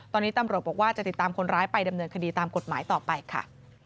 ตอนนี้ตำรวจบอกว่าจะติดตามคนร้ายไปดำเนินคดีตามกฎหมายต่อไปค่ะ